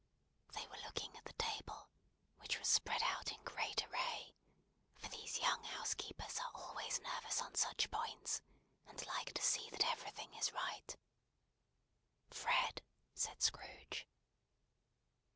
They were looking at the table (which was spread out in great array); for these young housekeepers are always nervous on such points, and like to see that everything is right. "Fred!" said Scrooge.